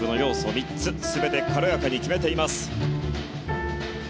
３つ全て軽やかに決めています。